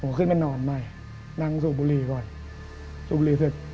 ผมขึ้นไปนอนใหม่นั่งสู่บุรีค่อนค่ะสู่บุรีเสร็จ